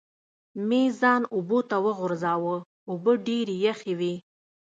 مې ځان اوبو ته وغورځاوه، اوبه ډېرې یخې وې.